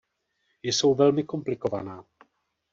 Jsou velmi komplikovaná.